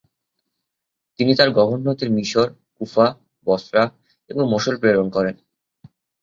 তিনি তার গভর্নরদের মিশর, কুফা, বসরা এবং মসুল প্রেরণ করেন।